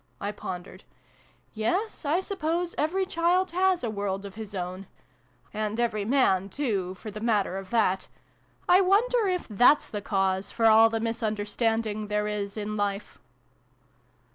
I pondered. "Yes, I suppose every child has a world of his own and every man, too, for the matter of that. I wonder if that's the cause for all the mis understanding there is in Life